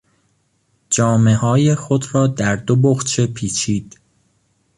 جامههای خود را در دو بقچه پیچید.